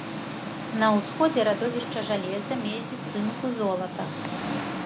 На усходзе радовішча жалеза, медзі, цынку, золата.